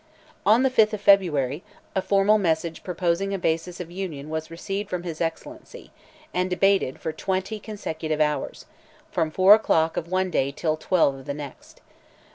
On the 5th of February, a formal message proposing a basis of Union was received from his Excellency, and debated for twenty consecutive hours—from 4 o'clock of one day, till 12 of the next.